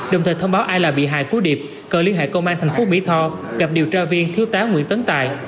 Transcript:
đồng thời thông báo ai là bị hại của điệp cờ liên hệ công an thành phố mỹ tho gặp điều tra viên thiếu tá nguyễn tấn tài